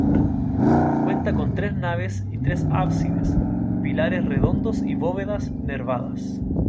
Cuenta con tres naves y tres ábsides, pilares redondos y bóvedas nervadas.